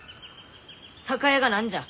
酒屋が何じゃ？